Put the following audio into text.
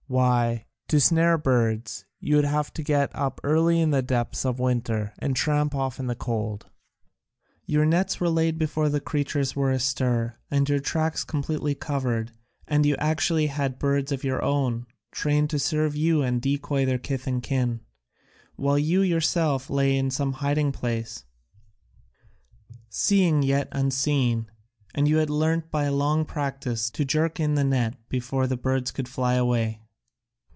Why, to snare birds you would get up by night in the depth of winter and tramp off in the cold; your nets were laid before the creatures were astir, and your tracks completely covered and you actually had birds of your own, trained to serve you and decoy their kith and kin, while you yourself lay in some hiding place, seeing yet unseen, and you had learnt by long practice to jerk in the net before the birds could fly away.